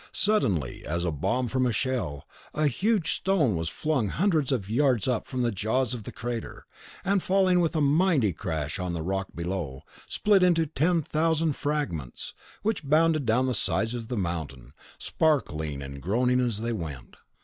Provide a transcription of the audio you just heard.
Suddenly, as a bomb from a shell, a huge stone was flung hundreds of yards up from the jaws of the crater, and falling with a mighty crash upon the rock below, split into ten thousand fragments, which bounded down the sides of the mountain, sparkling and groaning as they went.